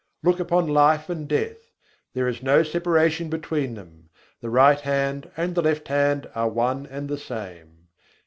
Look upon life and death; there is no separation between them, The right hand and the left hand are one and the same.